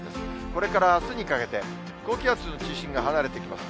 これからあすにかけて、高気圧の中心が離れていきます。